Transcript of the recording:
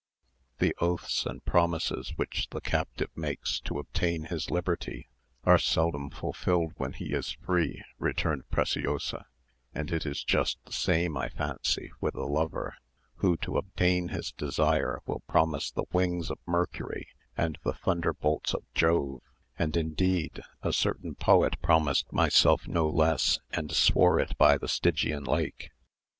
"The oaths and promises which the captive makes to obtain his liberty are seldom fulfilled when he is free," returned Preciosa; "and it is just the same, I fancy, with the lover, who to obtain his desire will promise the wings of Mercury, and the thunderbolts of Jove; and indeed a certain poet promised myself no less, and swore it by the Stygian lake.